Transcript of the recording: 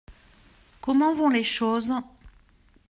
Comment vont les choses ?